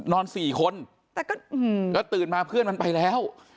นอนสี่คนแต่ก็อืมก็ตื่นมาเพื่อนมันไปแล้ว